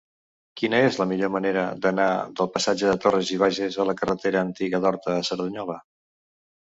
Quina és la millor manera d'anar del passatge de Torras i Bages a la carretera Antiga d'Horta a Cerdanyola?